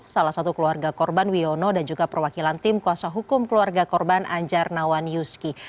salah satu keluarga korban wiono dan juga perwakilan tim kuasa hukum keluarga korban anjar nawan yuski